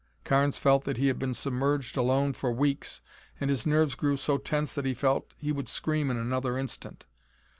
Carnes felt that he had been submerged alone for weeks, and his nerves grew so tense that he felt that he would scream in another instant.